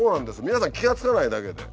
皆さん気が付かないだけで。